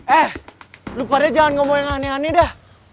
eh lu padahal jangan ngomong yang aneh aneh dah